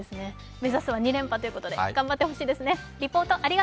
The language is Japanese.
目指すは２連覇ということで頑張ってほしいですね。